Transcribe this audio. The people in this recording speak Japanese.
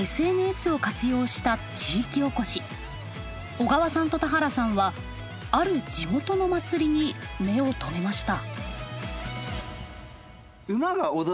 小川さんと田原さんはある地元の祭りに目を留めました。